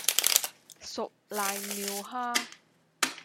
熟瀨尿蝦